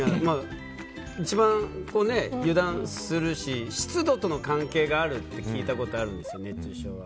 一番油断するし湿度との関係があるって聞いたことあるんですよ